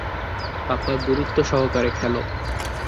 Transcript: পাপা গুরুত্ব সহকারে খেলো।